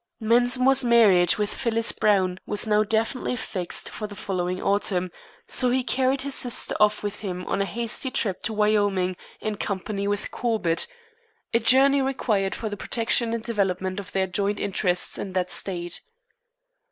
Mensmore's marriage with Phyllis Browne was now definitely fixed for the following autumn, so he carried his sister off with him on a hasty trip to Wyoming in company with Corbett a journey required for the protection and development of their joint interests in that State.